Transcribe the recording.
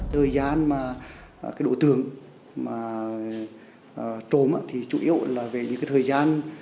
thời gian độ tưởng trốn chủ yếu là về những thời gian